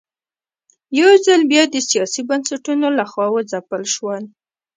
یوځل بیا د سیاسي بنسټونو له خوا وځپل شول.